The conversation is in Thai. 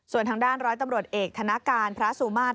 ส่วนทางด้านร้อยตำรวจเอกธนการพระสุมาตร